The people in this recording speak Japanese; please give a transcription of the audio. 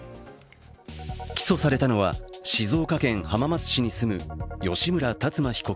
起訴されたのは静岡県浜松市に住む吉村辰馬被告